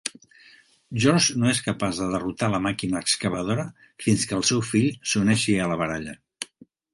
George no es capaç de derrotar la màquina excavadora fins que el seu fill s"uneixi a la baralla.